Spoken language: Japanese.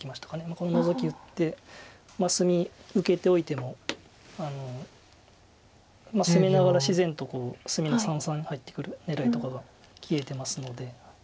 このノゾキ打って隅受けておいても攻めながら自然と隅の三々に入ってくる狙いとかが消えてますので。